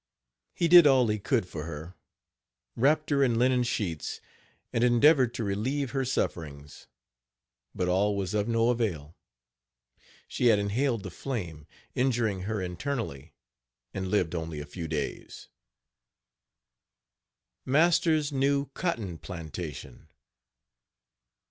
He did all he could for her, wrapped her in linen sheets, and endeavored to relieve her sufferings, but all was of no avail she had inhaled the flame, injuring her internally, and lived only a few days. MASTER'S NEW COTTON PLANTATION.